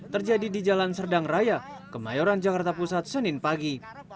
terjadi di jalan serdang raya kemayoran jakarta pusat senin pagi